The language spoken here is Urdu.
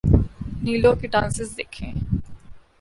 نیلو کے ڈانسز دیکھیں۔